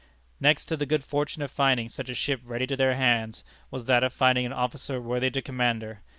Next to the good fortune of finding such a ship ready to their hands, was that of finding an officer worthy to command her.